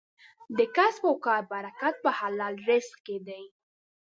د کسب او کار برکت په حلال رزق کې دی.